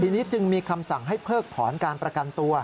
ทีนี้จึงมีคำสั่งให้เพิกถอนการประกันตัว